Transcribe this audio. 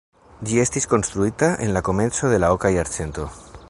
Ĝi estis konstruita en la komenco de la oka jarcento.